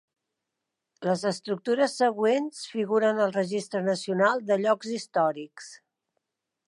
Les estructures següents figuren al Registre Nacional de Llocs Històrics.